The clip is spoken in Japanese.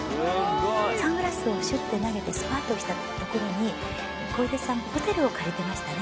サングラスをシュッて投げてスパートをした所に小出さんホテルを借りてましたね。